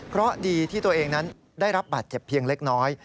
เพราะดีที่ตัวเองนั้นได้รับบาดเจ็บเพียงเล็กน้อย